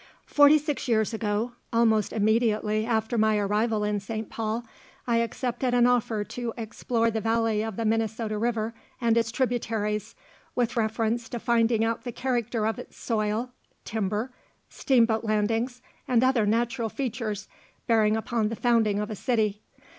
Forty six years ago, almost immediately after my arrival in St. Paul, I accepted an offer to explore the valley of the Minnesota river and its tributaries, with reference to finding out the character of its soil, timber, steamboat landings and other natural features, bearing upon the founding of a city.